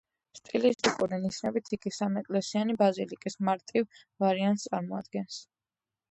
სტილისტიკური ნიშნებით იგი სამეკლესიანი ბაზილიკის მარტივ ვარიანტს წარმოადგენს.